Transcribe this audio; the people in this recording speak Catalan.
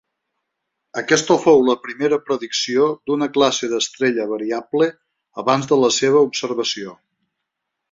Aquesta fou la primera predicció d'una classe d'estrella variable abans de la seva observació.